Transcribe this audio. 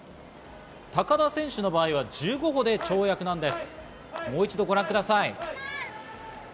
高田選手の場合は１５歩で跳躍なんです。